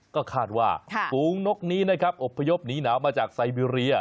ก็คาดว่าฝูงนกนี้นะครับอบพยพหนีหนาวมาจากไซเบรีย